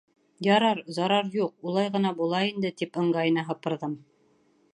— Ярар, зарар юҡ, улай ғына була инде, — тип ыңғайына һыпырҙым.